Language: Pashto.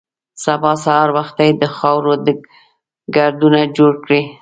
سبا سهار وختي د خاورو ګردونه جوړ کړي.